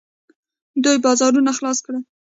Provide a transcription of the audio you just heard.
دوی بازارونه خلاص کړل.